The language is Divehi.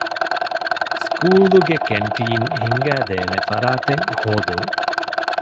ސްކޫލުގެ ކެންޓީން ހިންގައިދޭނެ ފަރާތެއް ހޯދުން.